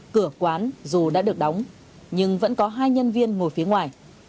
cửa quán dù đã được đóng nhưng vẫn có hai nhân viên ngồi phía ngoài